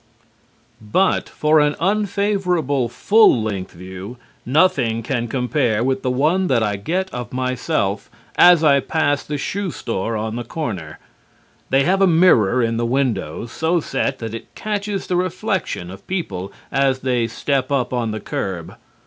But for an unfavorable full length view, nothing can compare with the one that I get of myself as I pass the shoe store on the corner. They have a mirror in the window, so set that it catches the reflection of people as they step up on the curb.